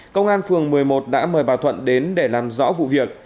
công an phường một mươi một đã mời bà thuận đến để làm rõ vụ việc